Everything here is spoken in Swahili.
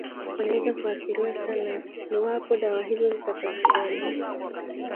wanaweza kuathiriwa sana iwapo dawa hizo zinapatikana